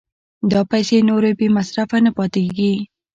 دا پیسې نورې بې مصرفه نه پاتې کېږي